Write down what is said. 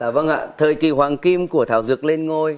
vâng ạ thời kỳ hoàng kim của thảo dược lên ngôi